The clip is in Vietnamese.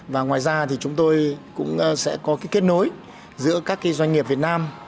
và ngoài ra thì chúng tôi cũng sẽ có cái kết nối giữa các doanh nghiệp việt nam